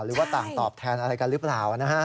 หรือว่าต่างตอบแทนอะไรกันหรือเปล่านะฮะ